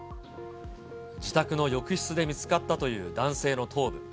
自宅の浴室で見つかったという男性の頭部。